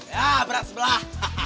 ya berat sebelah